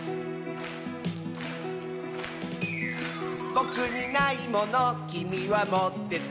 「ぼくにないものきみはもってて」